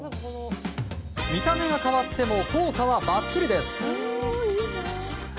見た目が変わっても効果はばっちりです。